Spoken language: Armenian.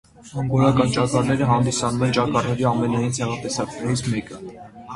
Անգորական ճագարները հանդիսանում են ճագարների ամենահին ցեղատեսակներից մեկը։